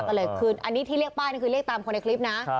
ก็เลยคืนอันนี้ที่เรียกป้ายนี่คือเรียกตามคนในคลิปนะ